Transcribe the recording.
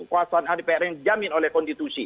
kuasaan dpr yang dijamin oleh konstitusi